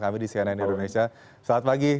kami di cnn indonesia selamat pagi